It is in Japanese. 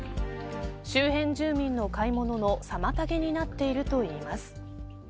周辺住民の買い物の妨げになっているといいます。